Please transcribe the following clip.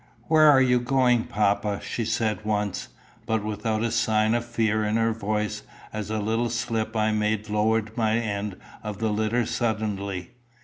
"Where are you going, papa?" she said once, but without a sign of fear in her voice, as a little slip I made lowered my end of the litter suddenly.